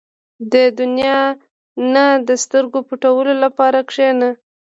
• د دنیا نه د سترګو پټولو لپاره کښېنه.